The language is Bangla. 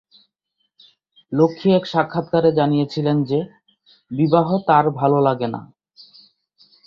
লক্ষ্মী এক সাক্ষাৎকারে জানিয়েছিলেন যে, "বিবাহ তাঁর ভালো লাগে না"।